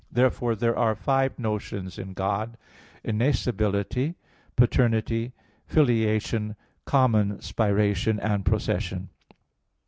Therefore, there are Five notions in God: "innascibility," "paternity," "filiation," "common spiration," and "procession."